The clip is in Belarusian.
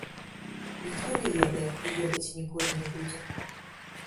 Ніхто не ведае і ведаць ніколі не будзе.